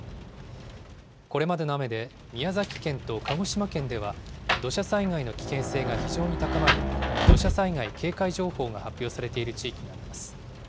これまでの雨で宮崎県と鹿児島県では、土砂災害の危険性が非常に高まり、土砂災害警戒情報が発表されている地域があります。